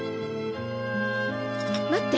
待って！